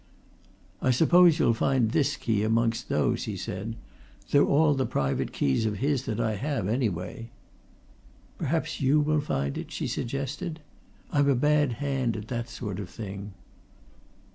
"I suppose you'll find this key amongst those," he said. "They're all the private keys of his that I have anyway." "Perhaps you will find it?" she suggested. "I'm a bad hand at that sort of thing."